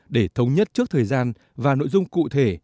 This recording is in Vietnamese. để thống nhất trước thời gian và nội dung cụ thể